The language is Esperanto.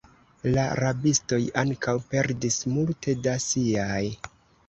La rabistoj ankaŭ perdis multe da siaj.